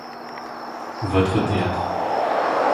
Votre théâtre.